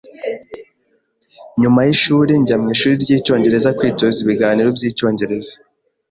Nyuma yishuri, njya mwishuri ryicyongereza kwitoza ibiganiro byicyongereza.